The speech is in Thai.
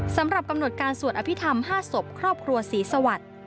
สำหรับกำหนดการสวดอภิษฐรรม๕ศพครอบครัวศรีสวัสดิ์